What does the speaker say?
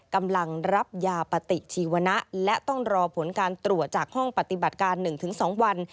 กำลังรับยาปฏิชีวนะและต้องรอผลการตรวจจากห้องปฏิบัติการ๑๒วัน